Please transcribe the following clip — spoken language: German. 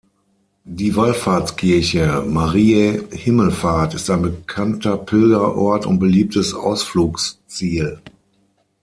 Die Wallfahrtskirche Mariä Himmelfahrt ist ein bekannter Pilgerort und beliebtes Ausflugsziel.